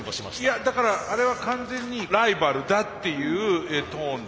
いやだからあれは完全にライバルだっていうトーンでしたね。